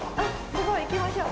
すごい！行きましょう。